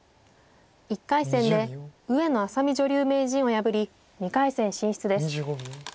１回戦で上野愛咲美女流名人を破り２回戦進出です。